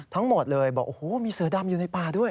ทั้งหมดเลยบอกโอ้โหมีเสือดำอยู่ในป่าด้วย